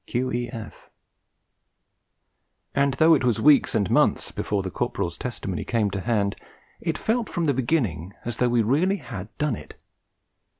Q.E.F. And though it was weeks and months before the Corporal's testimony came to hand, it felt from the beginning as though we really had 'done it.'